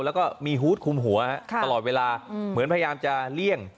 แล้วก็มีฮูตคุมหัวตลอดเวลาเหมือนพยายามจะเลี่ยง